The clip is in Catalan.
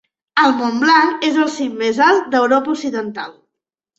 El Montblanc el el cim mes alt d'Europa occidental.